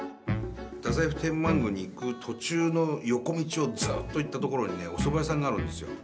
太宰府天満宮に行く途中の横道をずっと行ったところにおそば屋さんがあるんですよ。